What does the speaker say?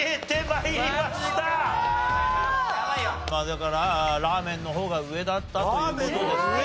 だからラーメンの方が上だったという事ですね。